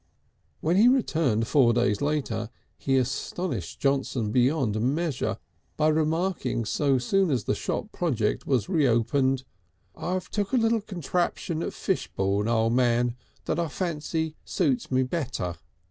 When he returned four days later, he astonished Johnson beyond measure by remarking so soon as the shop project was reopened: "I've took a little contraption at Fishbourne, O' Man, that I fancy suits me better."